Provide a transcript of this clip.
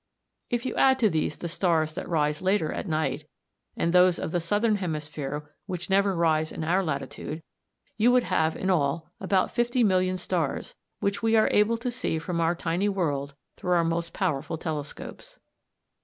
If you add to these the stars that rise later at night, and those of the southern hemisphere which never rise in our latitude, you would have in all about 50,000,000 stars, which we are able to see from our tiny world through our most powerful telescopes.